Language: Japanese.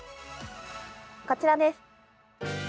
こちらです。